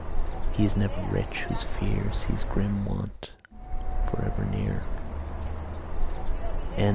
He is never rich whose fear Sees grim Want forever near. III.